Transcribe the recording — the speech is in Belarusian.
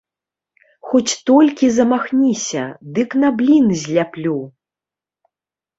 Хоць толькі замахніся, дык на блін зляплю!